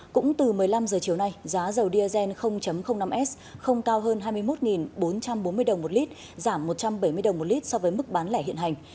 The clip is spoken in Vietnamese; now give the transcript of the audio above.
cũng từ một mươi năm h chiều nay giá dầu diazen năm s không cao hơn hai mươi một bốn trăm bốn mươi đồng một lít giảm một trăm bảy mươi đồng một lít so với mức bán lẻ hiện hành